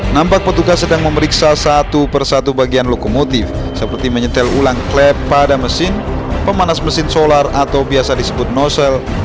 nampak petugas sedang memeriksa satu persatu bagian lokomotif seperti menyetel ulang klep pada mesin pemanas mesin solar atau biasa disebut nosel